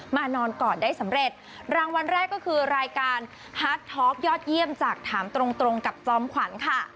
นอนกอดได้สำเร็จรางวัลแรกก็คือรายการฮาร์ดท็อกยอดเยี่ยมจากถามตรงตรงกับจอมขวัญค่ะ